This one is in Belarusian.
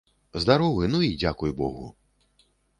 Здаровы, ну, і дзякуй богу!